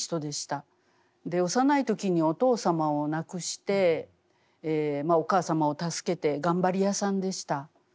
幼い時にお父様を亡くしてお母様を助けて頑張りやさんでした。